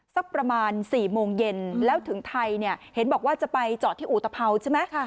สักประมาณ๔โมงเย็นแล้วถึงไทยเนี่ยเห็นบอกว่าจะไปจอดที่อุตภัวร์ใช่ไหม